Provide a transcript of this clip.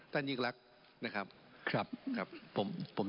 ท่านยิงรักนะครับครับผม